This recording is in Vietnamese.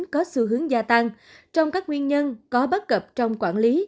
có xu hướng gia tăng trong các nguyên nhân có bắt gập trong quản lý